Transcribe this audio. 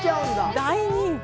大人気。